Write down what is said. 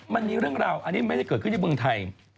มันมีเรื่องราวอันนี้ไม่ได้เกิดขึ้นที่เมืองไทย